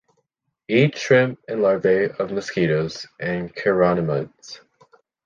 Eat shrimp and larvae of mosquitoes and chironomids.